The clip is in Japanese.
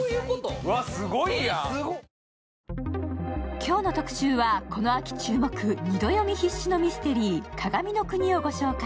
今日の特集は、この秋注目、二度読み必至のミステリー、「鏡の国」をご紹介。